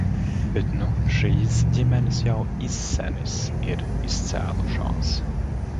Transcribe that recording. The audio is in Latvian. Bet nu šīs ģimenes jau izsenis ir izcēlušās.